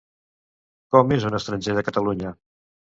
Com és un estranger de Catalunya?